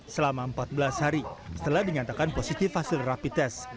selama empat belas hari setelah dinyatakan positif hasil rapi tes